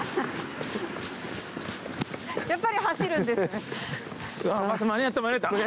やっぱり走るんですね。